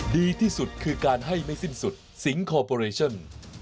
ดีที่สุดคือการให้ไม่สิ้นสุดสิงคอร์ปอเรชั่น